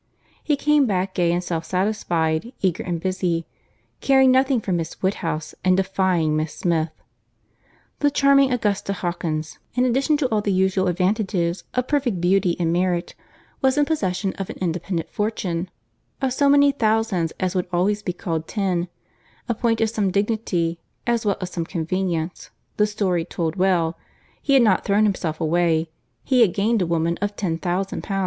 He came back gay and self satisfied, eager and busy, caring nothing for Miss Woodhouse, and defying Miss Smith. The charming Augusta Hawkins, in addition to all the usual advantages of perfect beauty and merit, was in possession of an independent fortune, of so many thousands as would always be called ten; a point of some dignity, as well as some convenience: the story told well; he had not thrown himself away—he had gained a woman of 10,000 l.